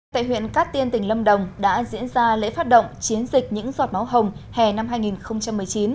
tại huyện cát tiên tỉnh lâm đồng đã diễn ra lễ phát động chiến dịch những giọt máu hồng hè năm hai nghìn một mươi chín